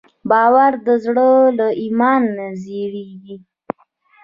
باور د زړه له ایمان زېږېږي.